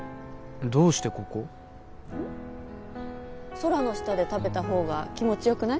空の下で食べた方が気持ち良くない？